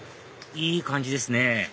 いい感じですね